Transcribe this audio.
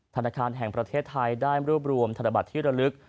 ธนาคารแห่งประเทศไทยได้รวบรวมธนบัตรที่ระลึก